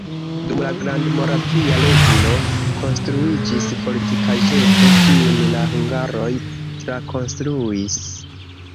Dum la Grandmoravia regno konstruiĝis fortikaĵeto, kiun la hungaroj trakonstruis.